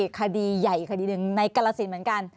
คดีใหญ่อีกคดีหนึ่งในกรสินเหมือนกัน